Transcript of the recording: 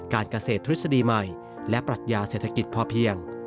การเกษตรทฤษฎีใหม่และปรัชญาเศรษฐกิจพอเพียง